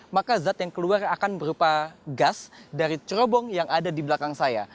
maka zat yang keluar akan berupa gas dari cerobong yang ada di belakang saya